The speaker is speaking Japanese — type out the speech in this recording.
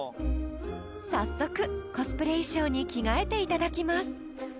［早速コスプレ衣装に着替えていただきます］